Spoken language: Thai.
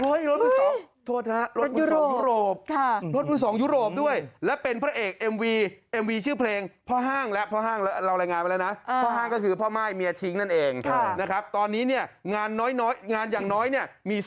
โหยรถผู้สองโทษนะรถผู้สองยุโรป